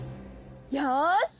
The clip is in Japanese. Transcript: よし！